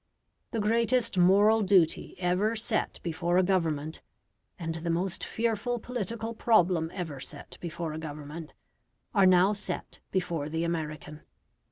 The greatest moral duty ever set before a Government, and the most fearful political problem ever set before a Government, are now set before the American.